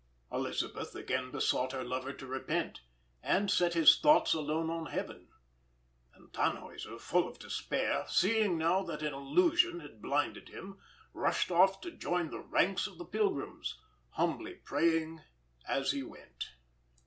Elisabeth again besought her lover to repent, and set his thoughts alone on Heaven; and Tannhäuser, full of despair, seeing now that an illusion had blinded him, rushed off to join the ranks of the pilgrims, humbly praying as he went.